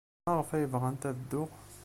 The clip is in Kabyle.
Maɣef ay bɣant ad dduɣ?